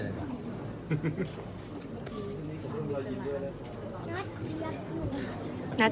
แต่งแล้ว